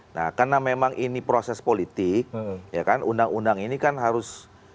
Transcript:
nah karena memang ini proses politik ya kan undang undang ini kan harus